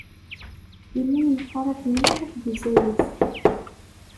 Yella yemqarab mliḥ akked uzayez.